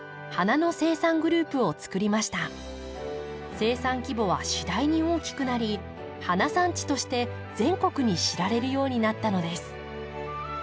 生産規模は次第に大きくなり花産地として全国に知られるようになったのです。